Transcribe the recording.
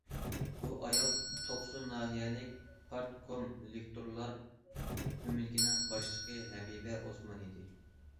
بۇ ئايال توقسۇ ناھىيەلىك پارتكوم لېكتورلار ئۆمىكىنىڭ باشلىقى ھەبىبە ئوسمان ئىدى.